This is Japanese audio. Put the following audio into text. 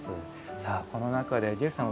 さあ、この中でジェフさん